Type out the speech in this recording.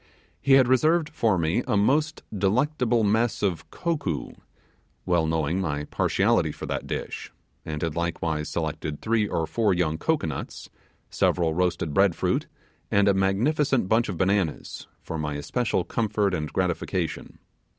He had reserved for me a most delectable mess of 'cokoo', well knowing my partiality for that dish; and had likewise selected three or four young cocoanuts, several roasted bread fruit, and a magnificent bunch of bananas, for my especial comfort and gratification.